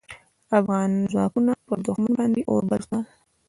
افغان ځواکونو پر دوښمن باندې اور بل کړ.